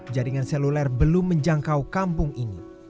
jaringan seluler belum menjangkau kampung ini